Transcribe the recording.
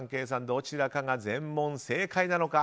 どちらかが全問正解なのか。